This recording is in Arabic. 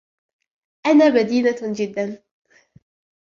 أنا بدينة جداً.